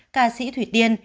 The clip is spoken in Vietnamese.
ca sĩ thủy tiên